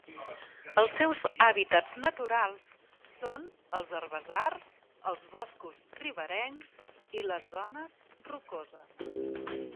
Els seus hàbitats naturals són els herbassars, els boscos riberencs i les zones rocoses.